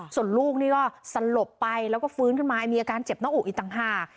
ส่วนลูกนี่ก็สลบไปแล้วก็ฟื้นขึ้นมามีอาการเจ็บหน้าอกอีกต่างหาก